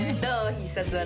必殺技。